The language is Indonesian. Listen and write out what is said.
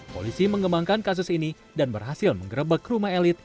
polisi mengembangkan kasus ini dan berhasil menggerebek rumah elit